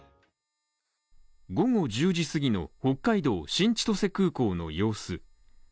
午後１０時過ぎの北海道新千歳空港の様子。